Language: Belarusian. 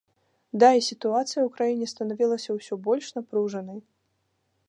Да, і сітуацыя ў краіне станавілася ўсё больш напружанай.